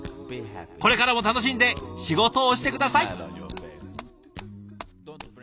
これからも楽しんで仕事をして下さい！